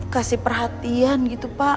kasih perhatian gitu pak